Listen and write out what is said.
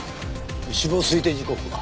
死亡推定時刻は？